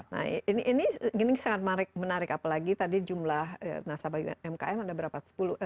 nah ini sangat menarik apalagi tadi jumlah nasabah umkm ada berapa